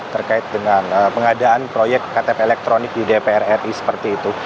terkait dengan pengadaan proyek ktp elektronik di dpr ri seperti itu